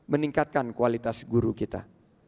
meningkatkan kualitas guru kita